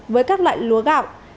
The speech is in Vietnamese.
với các loại lúa gạo